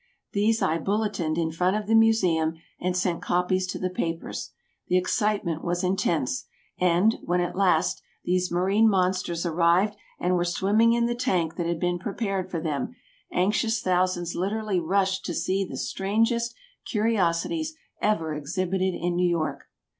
These I bulletined in front of the Museum and sent copies to the papers. The excitement was intense, and, when at last, these marine monsters arrived and were swimming in the tank that had been prepared for them, anxious thousands literally rushed to see the strangest curiosities ever exhibited in New York.